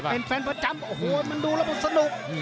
เป็นแฟนประจำโอ้โหมันดูแล้วมันสนุก